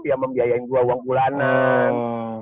yang membiayain gue uang bulanan